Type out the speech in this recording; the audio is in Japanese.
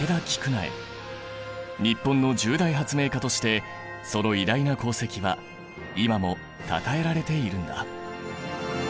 日本の十大発明家としてその偉大な功績は今もたたえられているんだ。